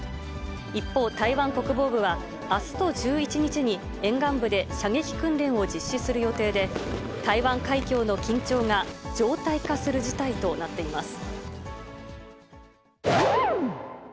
一方、台湾国防部は、あすと１１日に沿岸部で射撃訓練を実施する予定で、台湾海峡の緊張が常態化する事態となっています。